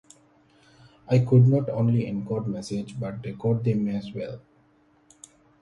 It could not only encode messages but decode them as well.